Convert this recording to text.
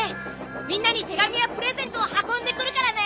みんなに手紙やプレゼントを運んでくるからね！